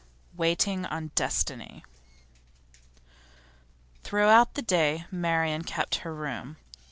WAITING ON DESTINY Throughout the day Marian kept her room.